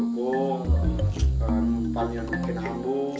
ke bukit hambuk